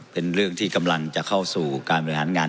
สำคัญครับ